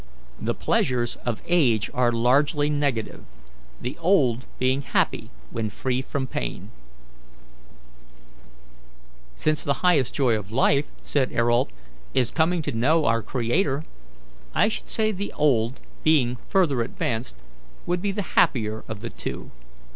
The pleasures of age are largely negative, the old being happy when free from pain." "Since the highest joy of life," said Ayrault, "is coming to know our Creator, I should say the old, being further advanced, would be the happier of the two.